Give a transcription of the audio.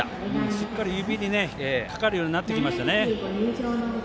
しっかり指にかかるようになってきましたね。